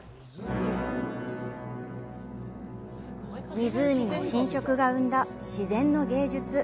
湖の浸食が生んだ自然の芸術。